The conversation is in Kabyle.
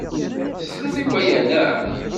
Tesliḍ i waya, naɣ?